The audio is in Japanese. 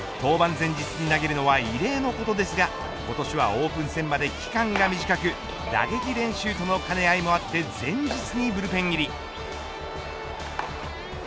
登板前日に投げるのは異例のことですが今年はオープン戦まで期間が短く打撃練習との兼ね合いもあって前日にブルペン入り。